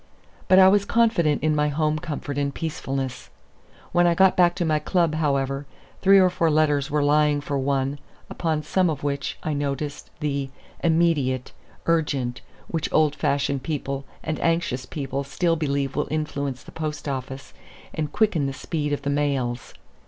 But I was confident in my home comfort and peacefulness. When I got back to my club, however, three or four letters were lying for one, upon some of which I noticed the "immediate," "urgent," which old fashioned people and anxious people still believe will influence the post office and quicken the speed of the mails.